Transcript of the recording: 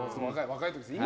若い時ですね。